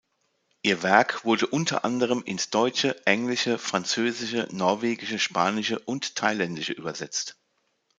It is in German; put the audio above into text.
Ihr Werk wurde unter anderem ins Deutsche, Englische, Französische, Norwegische, Spanische und Thailändische übersetzt.